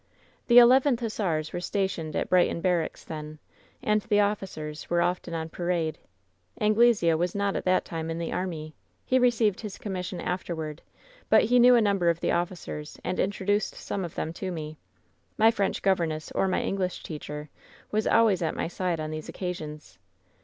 "The Eleventh Hussars were stationed at Brighton Barracks then, and the officers were often on parade. Anglesea was not at that time in the army. He re ceived his commission afterward ; but he knew a number of the officers, and introduced some of them to me. My French governess or my English teacher was always at my side on these occasions.